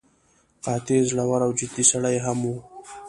قاطع، زړور او جدي سړی هم و.